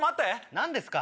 何ですか？